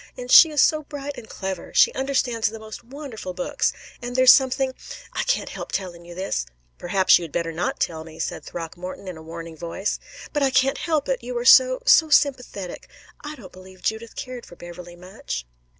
And she is so bright and clever. She understands the most wonderful books. And there's something I can't help telling you this." "Perhaps you had better not tell me," said Throckmorton in a warning voice. "But I can't help it, you are so so sympathetic: I don't believe Judith cared for Beverley much."